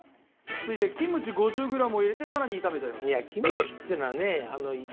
続いてキムチ５０グラムを入れて更に炒めちゃいます。